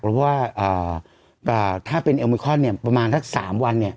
เพราะว่าถ้าเป็นโอมิคอนเนี่ยประมาณทั้ง๓วันเนี่ย